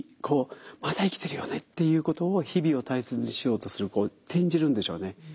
こうまだ生きてるよねっていうことを日々を大切にしようとするこう転じるんでしょうね。